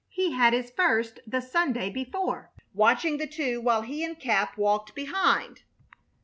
He had his first the Sunday before, watching the two while he and Cap walked behind.